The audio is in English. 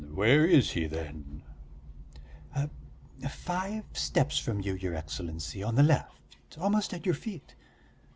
"Hm, where is he, then?" "Five steps from you, your Excellency, on the left.... Almost at your feet.